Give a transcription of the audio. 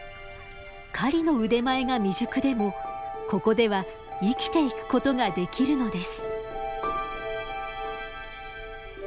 狩りの腕前が未熟でもここでは生きていくことができるのです。